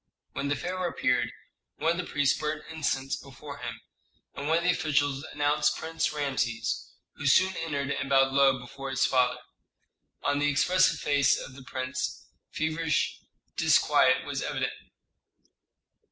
When the pharaoh appeared, one of the priests burnt incense before him, and one of the officials announced Prince Rameses, who soon entered and bowed low before his father. On the expressive face of the prince feverish disquiet was evident.